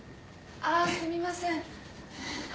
あすみません。